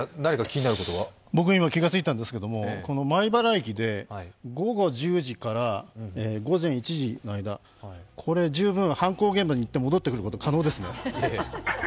僕、気がついたんですけど、米原駅で午後１０時から午前１時の間、十分、犯行現場に行って、戻ってくることは可能ですね。